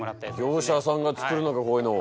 業者さんが作るのかこういうのを。